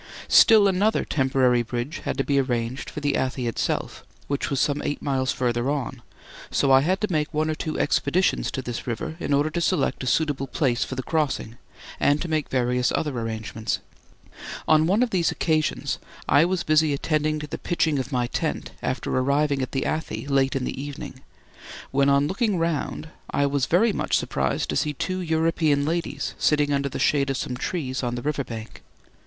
Still another temporary bridge had to be arranged for the Athi itself, which was some eight miles further on, so I had to make one or two expeditions to this river in order to select a suitable place for the crossing and to make various other arrangements. On one of these occasions I was busy attending to the pitching of my tent after arriving at the Athi late in the evening, when on looking round I was very much surprised to see two European ladies sitting under the shade of some trees on the river bank.